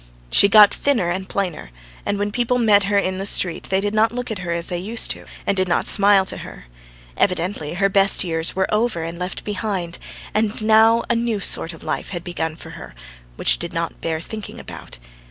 She got thinner and plainer, and when people met her in the street they did not look at her as they used to, and did not smile to her; evidently her best years were over and left behind, and now a new sort of life had begun for her, which did not bear thinking about.